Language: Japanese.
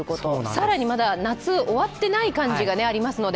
更にまだ夏が終わっていない感じがありますので。